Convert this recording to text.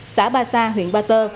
xã ba sa huyện ba tơ